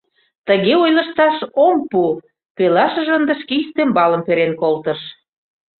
— Тыге ойлышташ ом пу! — пелашыже ынде шке ӱстембалым перен колтыш.